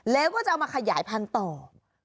แล้วก็จะเอามาขยายพันธุ์ต่อ